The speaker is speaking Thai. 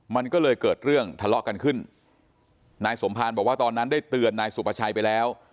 มันก็เลยเกิดเรื่องทะเลาะกันขึ้นนายสมภารบอกว่าตอนนั้นได้เตือนนายสุภาชัยไปแล้ว